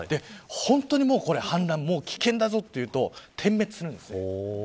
本当に氾濫危険だぞというと点滅するんです。